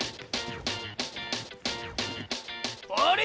あれ？